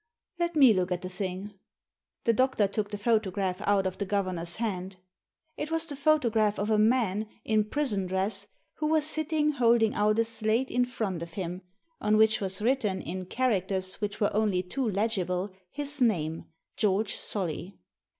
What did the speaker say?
" Let me look at the thing." The doctor took the photograph out of the governor's hand. It was the photograph of a man, in prison dress, who was sitting holding out a slate in front of him, on which was written, in characters Digiti: ized by Google THE PHOTOGRAPHS 23 which were only too legible, his name, " Geoi^e Solly."